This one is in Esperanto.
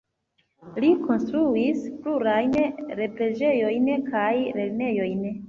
Li konstruis plurajn preĝejojn kaj lernejojn.